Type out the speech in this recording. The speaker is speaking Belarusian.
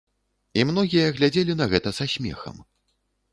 І многія глядзелі на гэта са смехам.